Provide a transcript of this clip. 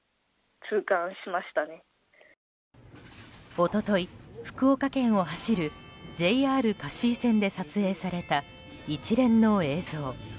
一昨日、福岡県を走るＪＲ香椎線で撮影された一連の映像。